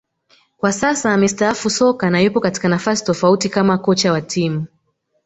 Kwa sasa amestaafu soka na yupo katika nafasi tofauti kama kocha wa timu